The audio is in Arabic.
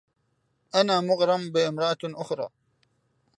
أنا مغرم بامرأة أخرى.